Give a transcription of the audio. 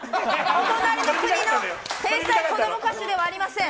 隣の国の天才子供歌手ではありません。